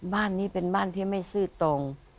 บ้านนี้เป็นบ้านที่ไม่ซื่อตรง